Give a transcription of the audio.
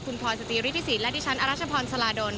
คุณพรอยสจีริฐศีร์และดิฉันอรัชพรสลาโดน